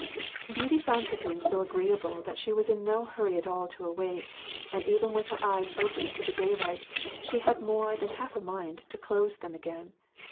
Beauty found her dreams so agreeable that she was in no hurry at all to awake, and even when her eyes opened to the daylight she had more than half a mind to close them again.